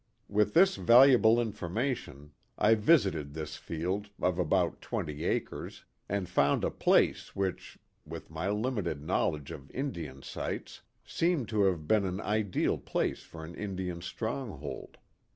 With this valuable information I visited 28 The Mohawk Valley this field, of about twenty acres, and found a place, which, with my limited knowledge of Indian sites, seemed to have been an ideal place for an Indian stronghold.